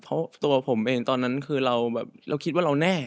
เพราะตัวผมเองตอนนั้นคิดว่าเราแง่